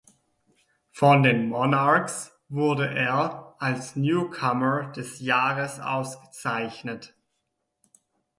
Von den Monarchs wurde er als Newcomer des Jahres ausgezeichnet.